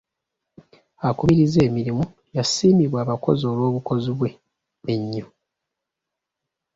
Akubiriza emirimu yasiimibwa abakozi olw'obukozi bwe ennyo.